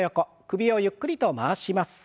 首をゆっくりと回します。